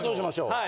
はい。